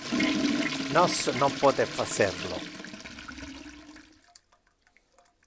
Nos non pote facer lo.